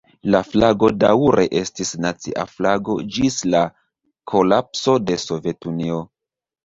La flago daŭre estis nacia flago ĝis la kolapso de Sovetunio.